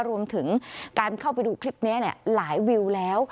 รวมถึงการเข้าไปดูคลิปนี้หลายวิวแล้ว